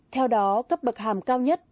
theo đó cấp bậc hàm cao nhất